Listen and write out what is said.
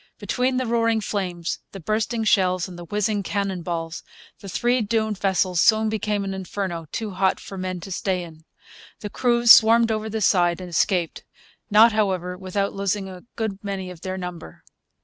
Between the roaring flames, the bursting shells, and the whizzing cannon balls, the three doomed vessels soon became an inferno too hot for men to stay in. The crews swarmed over the side and escaped; not, however, without losing a good many of their number.